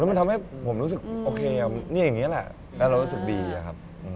มันทำให้ผมรู้สึกโอเคอย่างนี้แหละแล้วเรารู้สึกดีอะครับ